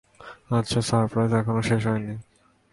আচ্ছা, সারপ্রাইজ এখনও শেষ হয়নি!